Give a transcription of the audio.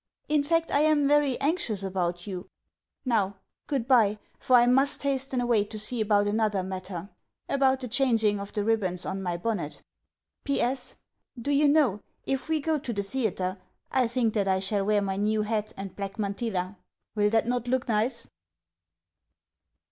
In fact, I am very anxious about you. Now, goodbye, for I must hasten away to see about another matter about the changing of the ribands on my bonnet. P.S. Do you know, if we go to the theatre, I think that I shall wear my new hat and black mantilla. Will that not look nice?